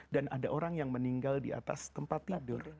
dan ada orang yang meninggal di atas tempat tidur